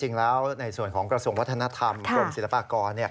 จริงแล้วในส่วนของกระทรวงวัฒนธรรมกรุงศิลปากร